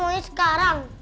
mau ini sekarang